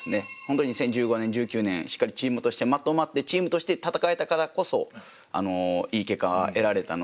２０１５年１９年しっかりチームとしてまとまってチームとして戦えたからこそいい結果が得られたので。